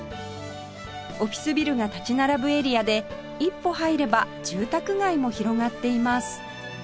オフィスビルが立ち並ぶエリアで一歩入れば住宅街も広がっています